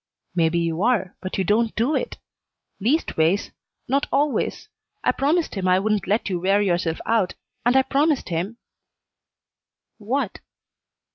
"Maybe you are, but you don't do it least ways, not always. I promised him I wouldn't let you wear yourself out, and I promised him " "What?"